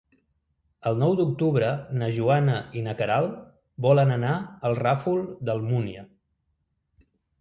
El nou d'octubre na Joana i na Queralt volen anar al Ràfol d'Almúnia.